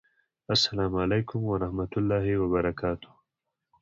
اسلام اعلیکم ورحمت الله وبرکاته